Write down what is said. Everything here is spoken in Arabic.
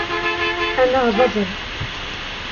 أنا ضجر!